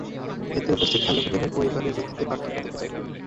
এতে উপস্থিত অ্যালুমিনিয়ামের পরিমাণের ভিত্তিতেও এর পার্থক্য দেখা যায়।